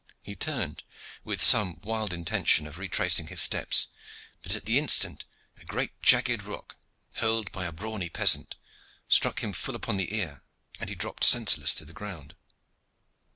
He turned, with some wild intention of retracing his steps, but at the instant a great jagged rock, hurled by a brawny peasant, struck him full upon the ear, and he dropped senseless to the ground.